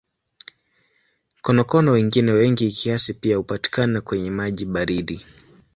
Konokono wengine wengi kiasi pia hupatikana kwenye maji baridi.